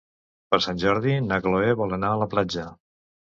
Per Sant Jordi na Chloé vol anar a la platja.